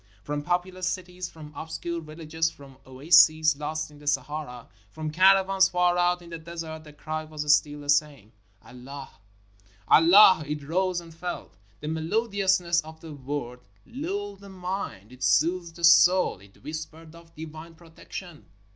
From populous cities, from obscure villages, from oases lost in the Sahara, from caravans far out in the desert — the cry was still the same, ''Allah !" "Allah!" It rose and fell. The melodiousness of the word lulled the mind. It soothed the soul. It whispered of divine protection.